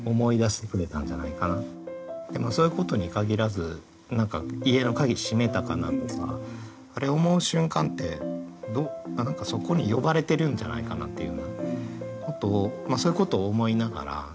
でもそういうことに限らず何か「家の鍵閉めたかな」とかあれ思う瞬間って何かそこに呼ばれてるんじゃないかなっていうようなことをそういうことを思いながら。